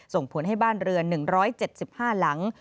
ส่งผลให้บ้านเรือน๑๗๕หลัง